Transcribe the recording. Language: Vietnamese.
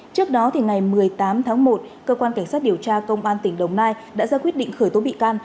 trước đó ngày một mươi tám tháng một cơ quan cảnh sát điều tra công an tỉnh đồng nai đã ra quyết định khởi tố bị can